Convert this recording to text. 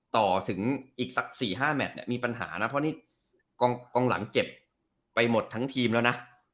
ต่อถึงอีกสัก๔๕แมทเนี่ยมีปัญหานะเพราะนี่กองหลังเจ็บไปหมดทั้งทีมแล้วนะ